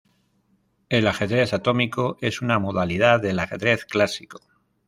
El ajedrez atómico es una modalidad del ajedrez clásico.